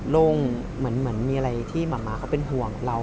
โล่งเหมือนมีอะไรที่มะมะเขาเป็นห่วงกับเรา